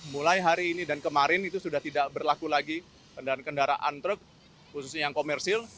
mulai hari ini dan kemarin itu sudah tidak berlaku lagi kendaraan kendaraan truk khususnya yang komersil